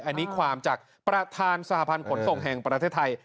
อันนี้ความจากประธานสหพันธ์ขนส่งแห่งประเทศไทย